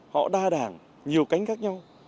họ đa đảng nhiều cánh khác nhau